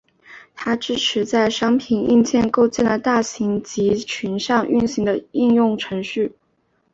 它支持在商品硬件构建的大型集群上运行的应用程序。